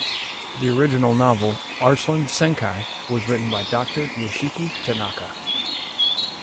The original novel, "Arslan Senki", was written by Doctor Yoshiki Tanaka.